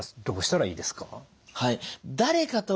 どうしたらいいですか？